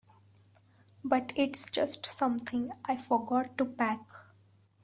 But it's just something I forgot to pack.